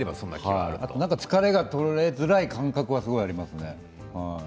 疲れが取れづらい感覚はありますね。